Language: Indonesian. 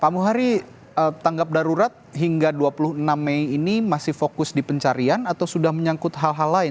pak muhari tanggap darurat hingga dua puluh enam mei ini masih fokus di pencarian atau sudah menyangkut hal hal lain